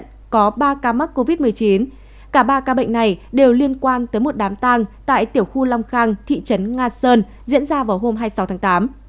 trong ba ca mắc covid một mươi chín cả ba ca bệnh này đều liên quan tới một đám tang tại tiểu khu long khang thị trấn nga sơn diễn ra vào hôm hai mươi sáu tháng tám